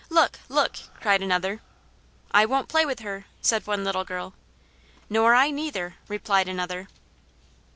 "Look! look!" cried another. "I won't play with her," said one little girl. "Nor I neither," replied another.